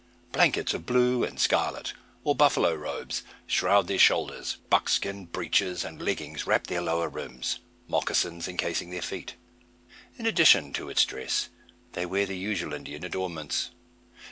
Blankets of blue and scarlet, or buffalo robes, shroud their shoulders; while buckskin breeches and leggings wrap their lower limbs; mocassins encasing their feet. In addition to its dress, they wear the usual Indian adornments.